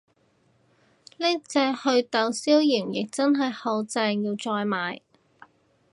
呢隻袪痘消炎液真係好正，要再買